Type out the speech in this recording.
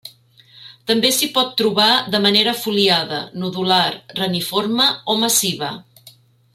També s'hi pot trobar de manera foliada, nodular, reniforme o massiva.